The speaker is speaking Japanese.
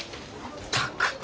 ったく！